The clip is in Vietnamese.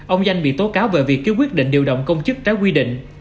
ông danh bị tố cáo về việc ký quyết định điều động công chức trái quy định